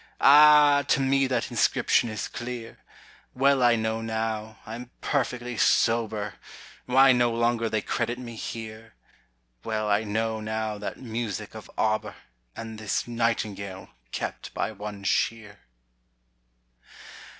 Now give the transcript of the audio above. Ah! to me that inscription is clear; Well I know now, I'm perfectly sober, Why no longer they credit me here, Well I know now that music of Auber, And this Nightingale, kept by one Shear."